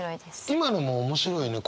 今のも面白いね。